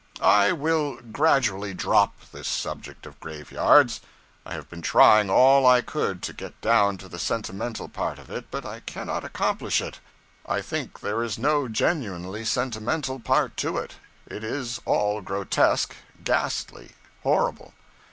I will gradually drop this subject of graveyards. I have been trying all I could to get down to the sentimental part of it, but I cannot accomplish it. I think there is no genuinely sentimental part to it. It is all grotesque, ghastly, horrible.